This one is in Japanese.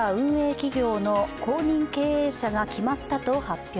企業の公認経営者が決まったと発表。